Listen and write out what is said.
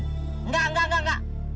tidak tidak tidak